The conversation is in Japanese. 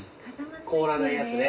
凍らないやつね。